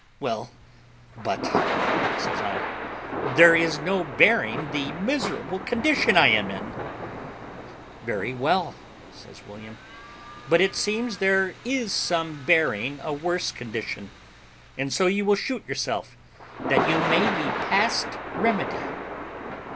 "Well, but," says I, "there is no bearing the miserable condition I am in." "Very well," says William; "but it seems there is some bearing a worse condition; and so you will shoot yourself, that you may be past remedy?"